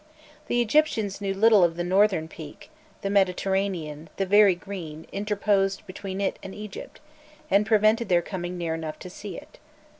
The Egyptians knew little of the northern peak: the Mediterranean, the "Very Green," interposed between it and Egypt, and prevented their coming near enough to see it.